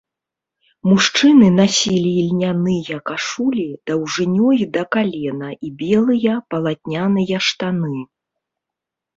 Мужчыны насілі ільняныя кашулі даўжынёй да калена і белыя палатняныя штаны.